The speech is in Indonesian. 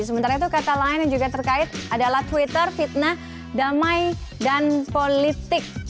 sementara itu kata lain yang juga terkait adalah twitter fitnah damai dan politik